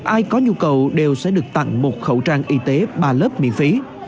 ai có nhu cầu đều sẽ được tặng một khẩu trang y tế ba lớp miễn phí